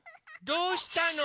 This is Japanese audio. どうしたの？